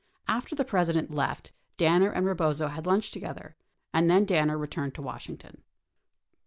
After the President left, Danner and Rebozo had lunch to gether and then Danner returned to Washington.